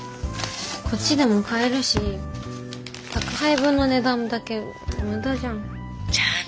こっちでも買えるし宅配分の値段だけ無駄じゃん。